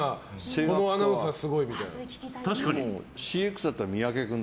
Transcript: このアナウンサーすごいみたいな。